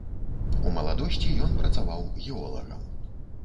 У маладосці ён працаваў геолагам.